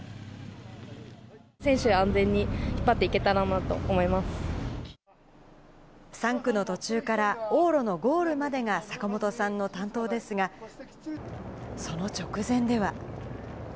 選手を安全に引っ張っていけ３区の途中から、往路のゴールまでが坂元さんの担当ですが、その直前では。